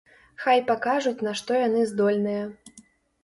Хай пакажуць на што яны здольныя.